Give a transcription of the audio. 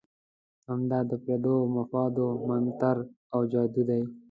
همدا د پردو مفاد منتر او جادو دی.